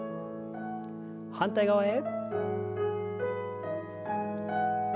反対側へ。